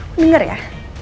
kau denger ya